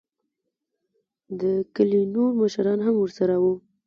دکلي نوور مشران هم ورسره وو.